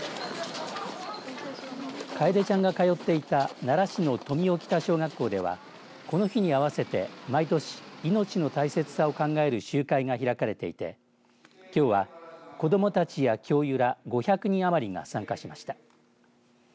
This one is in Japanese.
楓ちゃんが通っていた奈良市の富雄北小学校ではこの日に合わせて毎年命の大切さを考える集会が開かれていてきょうは、子どもたちや教諭ら５００人余りが参加しました。